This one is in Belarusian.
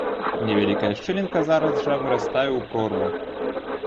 Невялікая шчылінка зараз жа вырастае ў прорву.